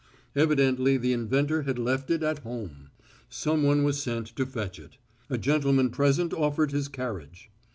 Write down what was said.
Evidently the inventor had left it at home. Someone was sent to fetch it. A gentleman present offered his carriage.